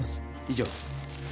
以上です。